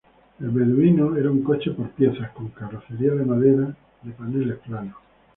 El "Beduino" era un coche por piezas con carrocería de madera de paneles planos.